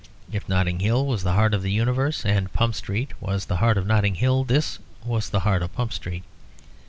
If Notting Hill was the heart of the universe, and Pump Street was the heart of Notting Hill, this was the heart of Pump Street.